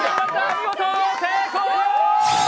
見事成功！